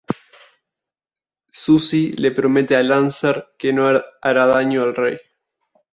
Susie le promete a Lancer que no hará daño al rey.